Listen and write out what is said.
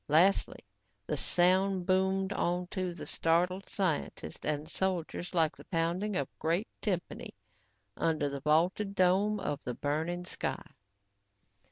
Lastly, the sound boomed onto the startled scientists and soldiers like the pounding of great timpani under the vaulted dome of the burning sky.